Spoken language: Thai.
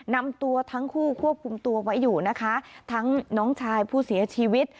นำตัวทั้งคู่ควบคุมตัวไว้อยู่นะคะทั้งน้องชายผู้เสียชีวิต